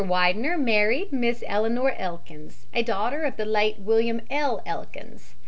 Widener married Miss Eleanor Elkins, a daughter of the late William L. Elkins.